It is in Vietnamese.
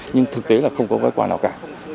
nhưng thực tế là không có gói quà nào cả